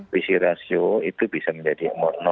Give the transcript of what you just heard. visi rasio itu bisa menjadi lima enam